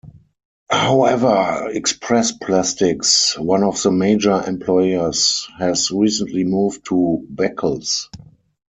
However, Express Plastics, one of the major employers has recently moved to Beccles.